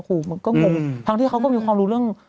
ก็งงทั้งที่เขาก็มีความรู้เรื่อง